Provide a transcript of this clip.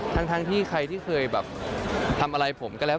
ทั้งที่ใครที่เคยแบบทำอะไรผมก็แล้ว